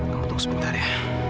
kamu tunggu sebentar ya